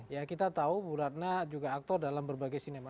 ya kita tahu bu ratna juga aktor dalam berbagai sinema